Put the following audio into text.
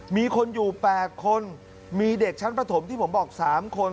มีคนอยู่๘คนมีเด็กชั้นประถมที่ผมบอก๓คน